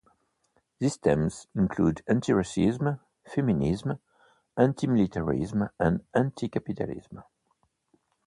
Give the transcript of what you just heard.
These themes include anti-racism, feminism, anti-militarism, and anti-capitalism.